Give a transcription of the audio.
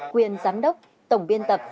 quyền giám đốc tổng biên tập